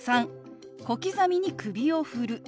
３小刻みに首を振る。